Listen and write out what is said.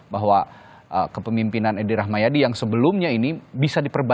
bahwa kepemimpinan edi rahmayadi yang sebelumnya ini bisa diperbaiki